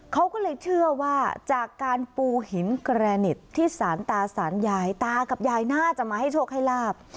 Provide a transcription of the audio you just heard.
เขาก็เลยเชื่อว่าจากการปูหินกระเน็ตที่สารตาสารยายตากับยายน่าจะมาให้โชคให้ลาบ